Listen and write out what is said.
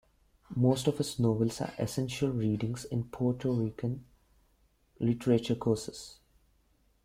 Most of his novels are essential readings in Puerto Rican literature courses.